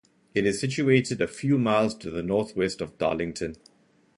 It is situated a few miles to the north-west of Darlington.